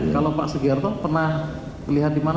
kalau pak setia rufanto pernah melihat di mana